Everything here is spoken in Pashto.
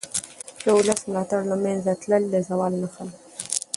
د ولس ملاتړ له منځه تلل د زوال نښه ده